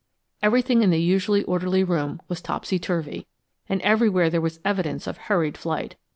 Everything in the usually orderly room was topsy turvy, and everywhere there was evidence of hurried flight.